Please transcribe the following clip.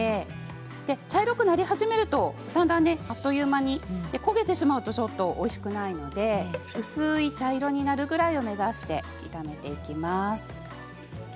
茶色くなり始めるとあっという間に焦げてしまうとおいしくないので薄い茶色になるくらいを目指して炒めていきます。